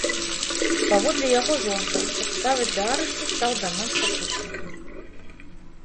Паводле яго жонка, падставай для арышту стаў данос сакурсніка.